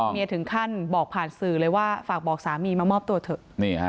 ถึงขั้นบอกผ่านสื่อเลยว่าฝากบอกสามีมามอบตัวเถอะ